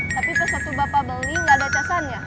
tapi pesatu bapak beli gak ada casannya